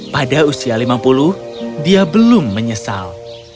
pada usia lima puluh dia belum menyesal